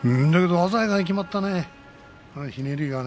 鮮やかに決まったね、左がね。